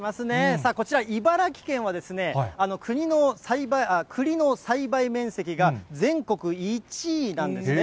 さあこちら、茨城県はですね、栗の栽培面積が全国１位なんですね。